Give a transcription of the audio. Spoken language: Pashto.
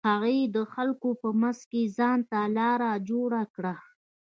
هغې د خلکو په منځ کښې ځان ته لاره جوړه کړه.